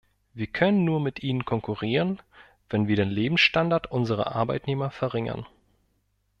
Wir können nur mit ihnen konkurrieren, wenn wir den Lebensstandard unserer Arbeitnehmer verringern.